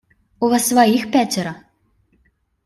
У вас своих пятеро.